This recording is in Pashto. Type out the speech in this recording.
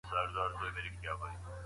تاسو د انار په خوړلو بوخت یاست.